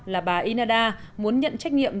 là bà inada muốn nhận trách nhiệm